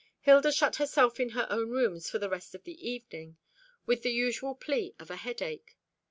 Hilda shut herself in her own rooms for the rest of the evening; with the usual plea of a headache.